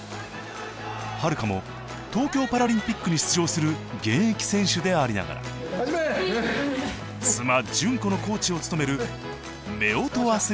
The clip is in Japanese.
悠も東京パラリンピックに出場する現役選手でありながら妻順子のコーチを務める夫婦アスリートだ。